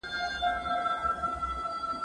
هغه څوک چي د کتابتون کتابونه لوستل کوي پوهه زياتوي؟